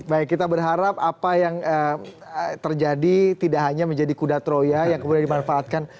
baik kita berharap apa yang terjadi tidak hanya menjadi kuda troya yang kemudian dimanfaatkan